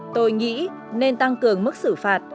tôi nghĩ nên tăng cường mức xử phạt